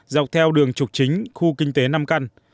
dọc theo đường trục chính khu kinh tế nam căn